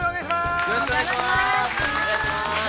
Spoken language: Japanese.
よろしくお願いします。